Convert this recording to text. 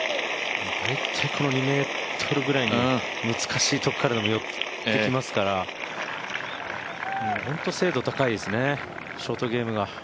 絶対この２ｍぐらい、難しいところでも寄ってきますから本当に精度が高いですね、ショートゲームが。